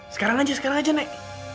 sekarang saja sekarang saja nek